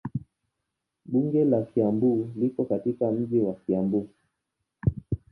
Bunge la Kiambu liko katika mji wa Kiambu.